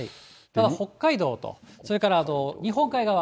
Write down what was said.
北海道と、それからあと日本海側。